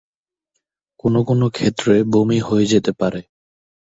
কোনো কোনো ক্ষেত্রে বমি হয়ে যেতে পারে।